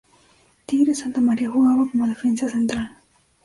Tigre Santamaría jugaba como defensa central.